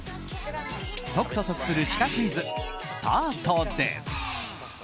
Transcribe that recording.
解くと得するシカクイズスタートです。